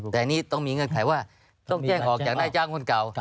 แต่อันนี้ต้องมีเงื่อนไขว่าต้องแจ้งออกจากนายจ้างคนเก่า